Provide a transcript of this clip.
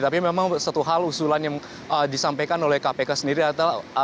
tapi memang satu hal usulan yang disampaikan oleh kpk sendiri adalah